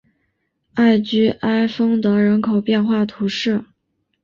艾居埃丰德人口变化图示